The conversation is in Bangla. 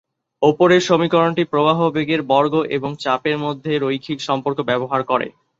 ওপরের সমীকরণটি প্রবাহ বেগের বর্গ এবং চাপের মধ্যে রৈখিক সম্পর্ক ব্যবহার করে।